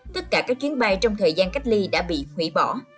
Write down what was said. tất cả các chuyến bay trong thời gian cách ly đã bị hủy bỏ